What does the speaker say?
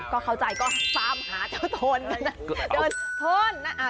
ก็เข้าใจก็ตามหาเจ้าโทน